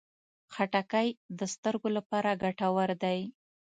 خټکی د سترګو لپاره ګټور دی.